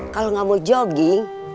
kalau gak mau jogging